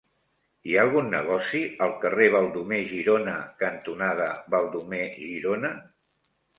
Hi ha algun negoci al carrer Baldomer Girona cantonada Baldomer Girona?